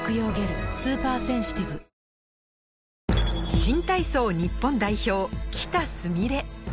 新体操日本代表、喜田純鈴。